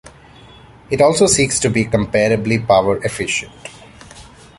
It also seeks to be comparably power-efficient.